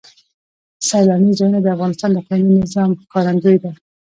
سیلانی ځایونه د افغانستان د اقلیمي نظام ښکارندوی ده.